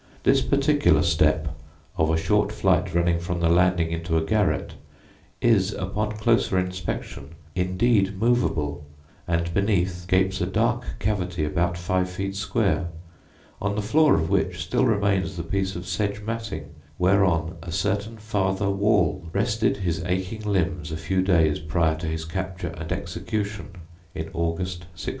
This particular step of a short flight running from the landing into a garret is, upon closer inspection, indeed movable, and beneath gapes a dark cavity about five feet square, on the floor of which still remains the piece of sedge matting whereon a certain Father Wall rested his aching limbs a few days prior to his capture and execution in August, 1679.